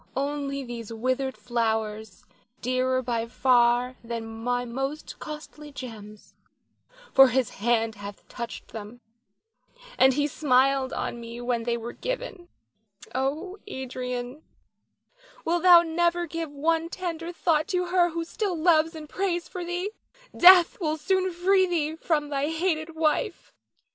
Only these withered flowers, dearer by far than my most costly gems, for his hand hath touched them, and he smiled on me when they were given. Oh, Adrian, wilt thou never give one tender thought to her who still loves and prays for thee? Death will soon free thee from thy hated wife.